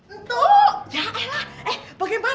ini harus gue lakuin